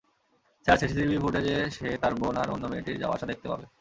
Sir, CCTV ফুটেজে সে তার বোন আর অন্য মেয়েটির যাওয়া আসা দেখতে পাবে।